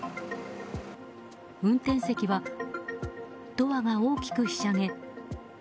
運転席はドアが大きくひしゃげ